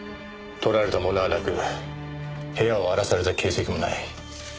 盗られたものはなく部屋を荒らされた形跡もない。